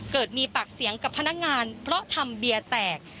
เกิดมีปากเสียงกับพนักงานเพราะทำเบียร์แตก